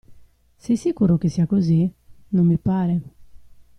Sei sicuro che sia così? Non mi pare.